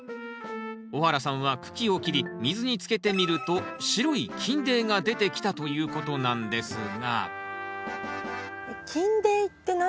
小原さんは茎を切り水につけてみると白い菌泥が出てきたということなんですが菌泥って何ですか？